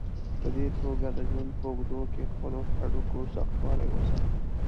په دې توګه د ژوند په اوږدو کې خپلو هډوکو سختوالی وساتئ.